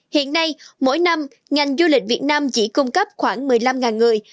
hiện nay mỗi năm ngành du lịch việt nam chỉ cung cấp khoảng một mươi năm người